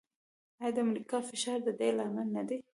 آیا د امریکا فشار د دې لامل نه دی؟